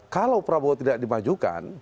kalau prabowo tidak dimajukan